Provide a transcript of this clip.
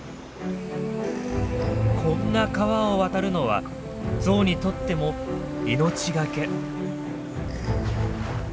こんな川を渡るのはゾウにとっても命懸け。